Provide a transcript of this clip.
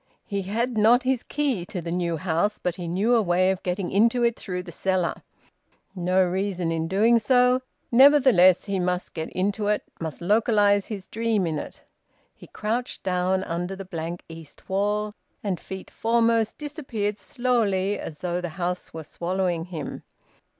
He had not his key to the new house, but he knew a way of getting into it through the cellar. No reason in doing so; nevertheless he must get into it, must localise his dream in it! He crouched down under the blank east wall, and, feet foremost, disappeared slowly, as though the house were swallowing him.